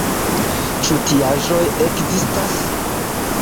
Ĉu tiaĵoj ekzistas?